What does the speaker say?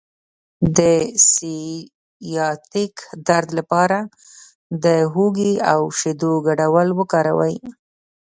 د سیاتیک درد لپاره د هوږې او شیدو ګډول وکاروئ